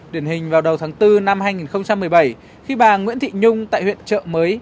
điển hình vào đầu tháng bốn năm hai nghìn một mươi bảy khi bà nguyễn thị nhung tại huyện trợ mới